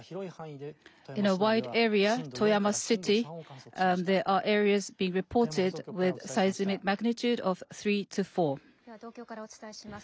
では東京からお伝えします。